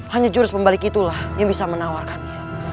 hanya jurus pembalik itulah yang bisa menawarkannya